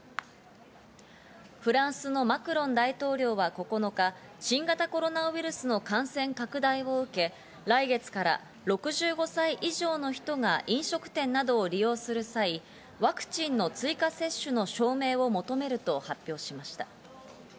フランスのマクロン大統領は９日、新型コロナウイルスの感染拡大を受け、来月から６５歳以上の人が飲食店などを利用する際、ワクチンの追加接種の証明を求めると発表しました。